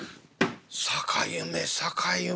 「逆夢逆夢！